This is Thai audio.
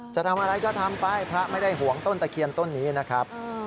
จะทำอะไรก็ทำไปพระไม่ได้ห่วงต้นตะเคียนต้นนี้นะครับ